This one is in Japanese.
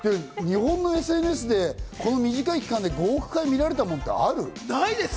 日本のＳＮＳでこの短い期間で５億回見られたものってある？